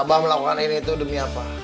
abah melakukan ini itu demi apa